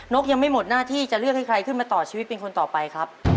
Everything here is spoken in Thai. กยังไม่หมดหน้าที่จะเลือกให้ใครขึ้นมาต่อชีวิตเป็นคนต่อไปครับ